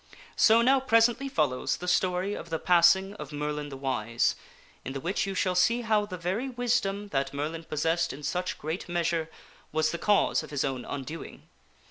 So now presently follows the story of the passing of Merlin the Wise ; in the which you shall see how the very wisdom that Merlin possessed in such great measure was the cause of his own undoing.